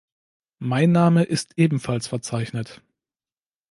Mein Name ist ebenfalls verzeichnet.